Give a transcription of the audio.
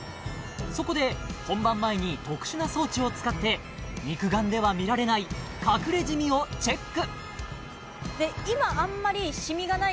そこで本番前に特殊な装置を使って肉眼では見られない隠れジミをチェック